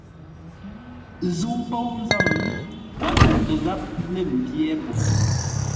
Zə̂u póu nzə́m, gháp kuʼtə gháp lə̂ mbyé po.